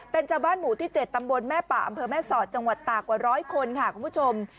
เป็นชาวบ้านหมู่ที่๗ตำบลแม่ป่าอำเภอแม่สอดจังหวัดตากกว่าร้อยคนค่ะคุณผู้ชม